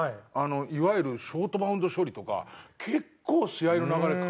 いわゆるショートバウンド処理とか結構試合の流れ変えそうな。